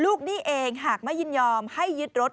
หนี้เองหากไม่ยินยอมให้ยึดรถ